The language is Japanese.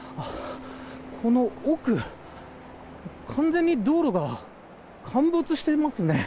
この奥は完全に道路が陥没しています。